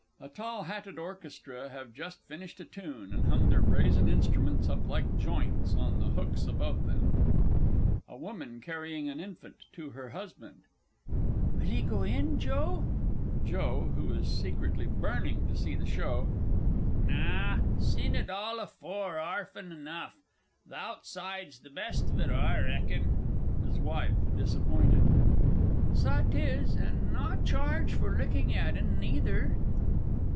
A tall hatted orchestra have just finished a tune, and hung their brazen instruments up like joints on the hooks above them._ A WOMAN CARRYING AN INFANT (to her HUSBAND). Will 'ee goo in, Joe? JOE (who is secretly burning to see the show). Naw. Sin it arl afoor arfen enough. Th' outside's th' best on it, I reckon. HIS WIFE (disappointed). Saw 'tis, and naw charge for lookin' at 'en neither.